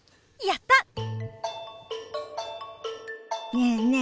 ねえねえ